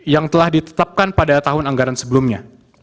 yang telah ditetapkan pada tahun anggaran sebelumnya